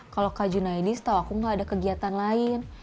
kalau kak junaidi setahu aku nggak ada kegiatan lain